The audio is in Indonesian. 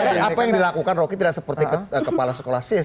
karena apa yang dilakukan roky tidak seperti kepala sekolah sis